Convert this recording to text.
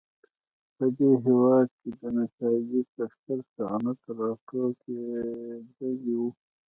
په دې هېواد کې د نساجۍ ستر صنعت راټوکېدلی و.